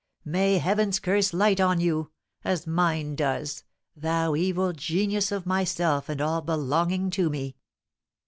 May Heaven's curse light on you, as mine does, thou evil genius of myself and all belonging to me!"